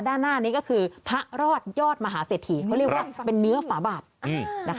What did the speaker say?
ด้านหน้านี้ก็คือพระรอดยอดมหาเศรษฐีเขาเรียกว่าเป็นเนื้อฝาบาทนะคะ